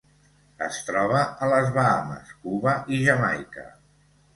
Es troba a les Bahames, Cuba i Jamaica.